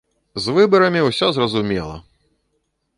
З выбарамі ўсё зразумела!